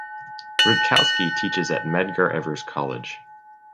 Rutkowski teaches at Medgar Evers College.